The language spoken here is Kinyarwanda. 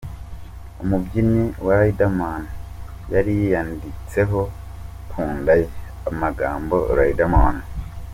Umubyinnyi wa Riderman yari yiyanditseho ku nda ye amagambo “Riderman.